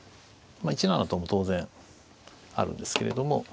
１七とも当然あるんですけれども。